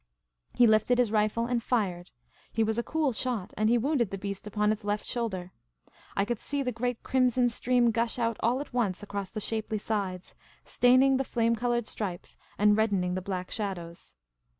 He lifted his rifle and fired. He was a cool shot, and he wounded the beast upon its left shoulder. I could see the great crimson stream gush out all at once across the shapely sides, staining the flame coloured stripes and reddening the black shadows.